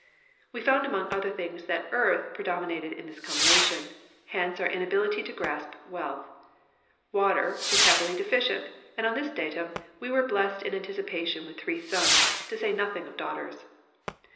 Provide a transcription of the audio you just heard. We found among other things that earth predominated in the combination : hence our inability to grasp wealth. Water was happily deficient, and on this datum we were blessed in anticipation with three sons, to say nothing of daughters.